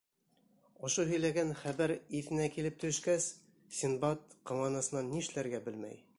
Ошо һөйләгән хәбәр иҫенә килеп төшкәс, Синдбад ҡыуанысынан нишләргә белмәй.